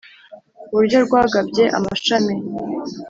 Uburyo rwagabye amashami